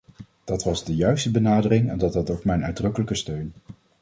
Dat was de juiste benadering en dat had ook mijn uitdrukkelijke steun.